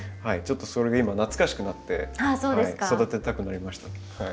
ちょっとそれが今懐かしくなって育てたくなりました。